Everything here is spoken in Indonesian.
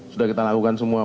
sudah kita lakukan semua